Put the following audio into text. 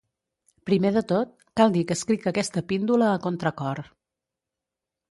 Primer de tot, cal dir que escric aquesta píndola a contracor.